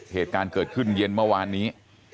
เหตุการณ์เกิดขึ้นเย็นเมื่อวานนี้